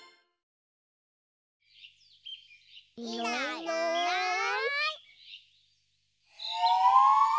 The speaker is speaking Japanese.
いないいない。